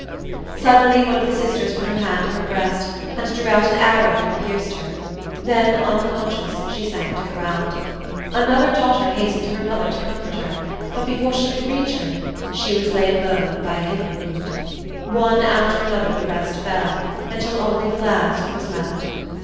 Suddenly one of the sisters put her hand to her breast and drew out an arrow that had pierced her; then, unconscious, she sank to the ground. Another daughter hastened to her mother to comfort her, but before she could reach her she was laid low by a hidden wound. One after another the rest fell, until only the last was left.